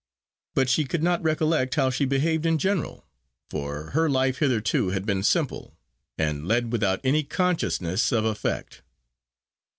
But she could not recollect how she behaved in general, for her life hitherto had been simple, and led without any consciousness of effect.